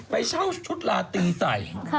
ไปเช่าชุดลาตีใส่